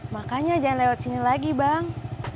makanya jangan lewat sini lagi bang